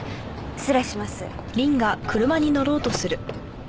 失礼します。